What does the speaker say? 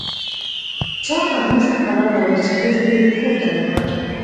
چا بهلول ته خبر راوړ چې ښځه دې کور ته راغله.